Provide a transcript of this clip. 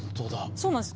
そうなんです。